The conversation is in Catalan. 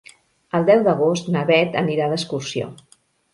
El deu d'agost na Beth anirà d'excursió.